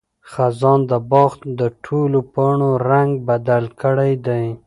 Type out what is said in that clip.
خزان د باغ د ټولو پاڼو رنګ بدل کړی دی.